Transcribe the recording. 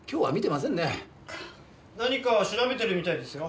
何か調べてるみたいですよ。